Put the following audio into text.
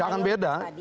gak akan beda